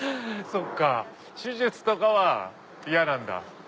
そっか手術とかは嫌なんだ。